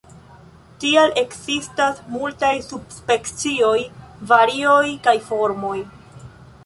Tial ekzistas multaj subspecioj, varioj kaj formoj.